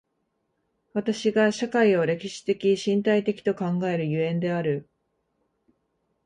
私が社会を歴史的身体的と考える所以である。